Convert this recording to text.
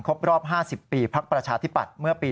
ครบรอบ๕๐ปีพักประชาธิปัตย์เมื่อปี๒๕